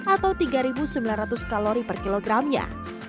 atau tiga sembilan ratus kalori per kilogramnya